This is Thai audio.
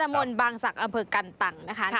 มรบังสักห้ามเผิกกันต่างนะฮะ